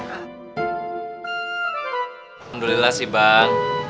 alhamdulillah sih bang